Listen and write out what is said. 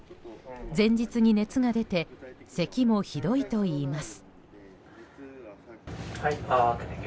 前日に熱が出てせきもひどいといいます。